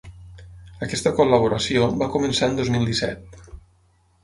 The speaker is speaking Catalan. Aquesta col·laboració va començar en dos mil disset.